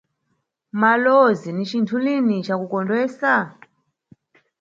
Malowozi ni cinthu lini cakukondwesa?